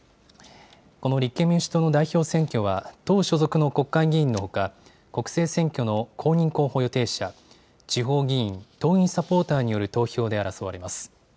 この立憲民主党の代表選挙は、党所属の国会議員のほか、国政選挙の公認候補予定者、地方議員、党員・サポーターによる投票で争われます。